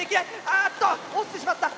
あっと落ちてしまった！